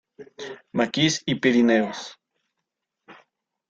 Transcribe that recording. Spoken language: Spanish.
Maquis y Pirineos.